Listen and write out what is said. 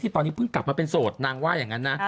ตอนนี้เพิ่งกลับมาเป็นโสดนางว่าอย่างนั้นนะ